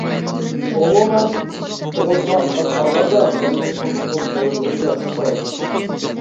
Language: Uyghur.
ئومۇمەن، تۇغۇتقا ئاز قالغاندا بالىياتقۇ مۇقىم دەۋر بويىچە قىسقىرايدۇ.